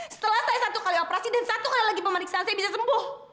setelah saya satu kali operasi dan satu kali lagi pemeriksaan saya bisa sembuh